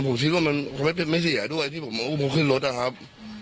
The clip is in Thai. ผมคิดว่ามันไม่เสียด้วยที่ผมขึ้นรถอ่ะครับ